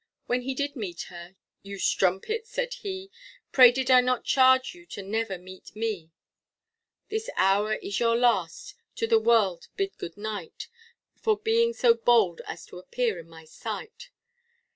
When he did meet her, you strumpet, said he, Pray did not I charge you to never meet me; This hour is your last, to the world bid good night, For being so bold as to appear in my sight.